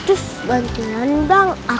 jus di sebelah mana